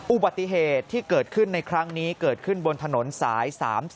อุบัติเหตุที่เกิดขึ้นในครั้งนี้เกิดขึ้นบนถนนสาย๓๐